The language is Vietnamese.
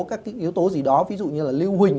các yếu tố gì đó ví dụ như là lưu hình